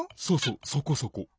そうそうそこそこ。